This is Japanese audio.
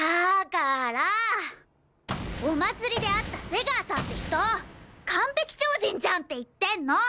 かーらーお祭りで会った瀬川さんって人完璧超人じゃんって言ってんの！